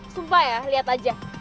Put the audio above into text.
sumpah ya lihat aja